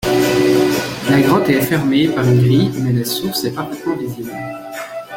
La grotte est fermée par une grille, mais la source est parfaitement visible.